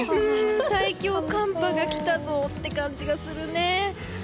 最強寒波が来たぞって感じがするね。